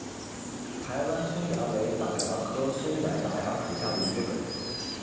台湾松蚜为大蚜科松柏大蚜属下的一个种。